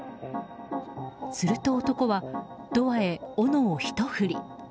すると、男はドアへおのをひと振り。